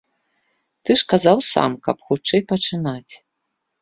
Ты ж казаў сам, каб хутчэй пачынаць.